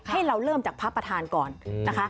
ให้เราเริ่มจากพระประธานก่อนนะคะ